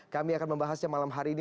kami akan membahasnya malam hari ini